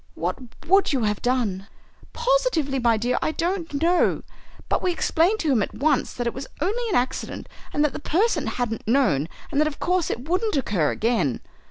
"What would you have done?" "Positively, my dear, I don't know. But we explained to him at once that it was only an accident and that the person hadn't known and that of course it wouldn't occur again.